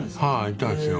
行ったんですよ。